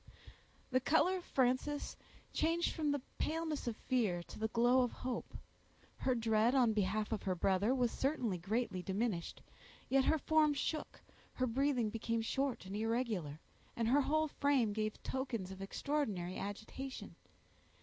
The color of Frances changed from the paleness of fear to the glow of hope. Her dread on behalf of her brother was certainly greatly diminished; yet her form shook, her breathing became short and irregular, and her whole frame gave tokens of extraordinary agitation.